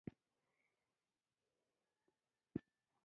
پیغامونه او موضوعګانې: